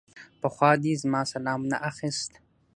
پخوا دې زما سلام نه اخيست.